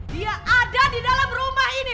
dia ada di dalam rumah ini